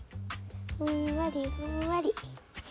ふんわりふんわり。